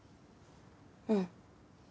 うん。